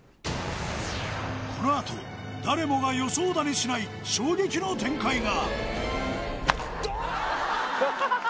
このあと誰もが予想だにしない衝撃の展開が！